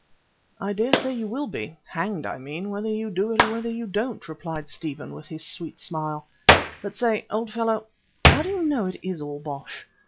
"I dare say you will be hanged I mean whether you do it or whether you don't," replied Stephen with his sweet smile. "But I say, old fellow, how do you know it is all bosh?